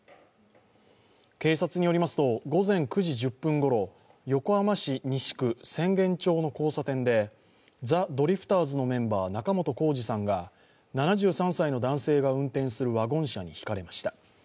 警察によりますと午前９時１０分ごろ横浜市西区浅間町の交差点でザ・ドリフターズのメンバー仲本工事さんが７３歳の男性が運転するワゴン車にひかれました。